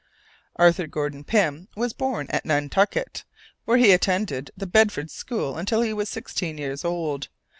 Arthur Gordon Pym was born at Nantucket, where he attended the Bedford School until he was sixteen years old.